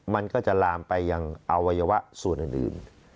มันก็จะลามไปยังอวัยวะส่วนอื่น